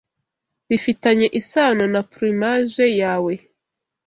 Bifitanye isano na plumage yawe